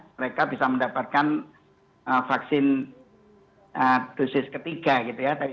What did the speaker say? setelah menetapkan pol menjelma zon zendai dalam tahun